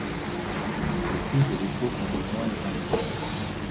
Les Frises et les Chauques ont rejoint les insurgés.